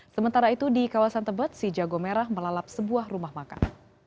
sementara itu di kawasan tebet si jago merah melalap sebuah rumah makan